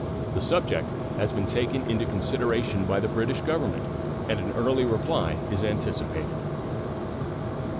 The subject has been taken into consideration by the British Government, and an early reply is anticipated.